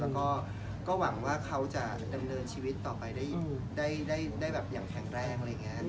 แล้วก็หวังว่าเขาจะดำเนินชีวิตต่อไปได้แบบอย่างแข็งแรง